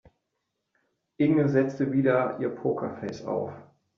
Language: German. Inge setzte wieder ihr Pokerface auf.